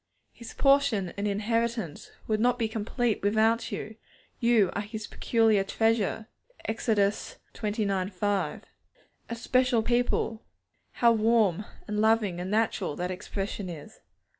His portion and inheritance would not be complete without you; you are His peculiar treasure (Ex. xix. 5); 'a special people' (how warm, and loving, and natural that expression is!)